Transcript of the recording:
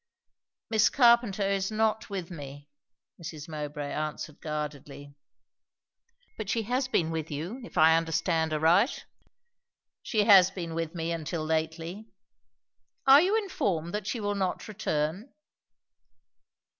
"Miss Carpenter is not with me," Mrs. Mowbray answered guardedly. "But she has been with you, if I understand aright?" "She has been with me until lately." "Are you informed that she will not return?"